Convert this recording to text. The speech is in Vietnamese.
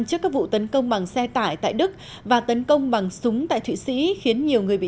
trước các vụ tấn công bằng xe tải tại đức và tấn công bằng súng tại thụy sĩ khiến nhiều người bị